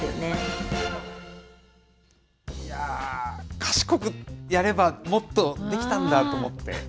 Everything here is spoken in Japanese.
賢くやれば、もっとできたんだと思って。